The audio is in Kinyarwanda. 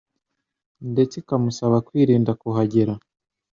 ndetse ikamusaba kwirinda kuhagera.